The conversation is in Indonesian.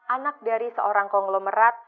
anak dari seorang konglomerat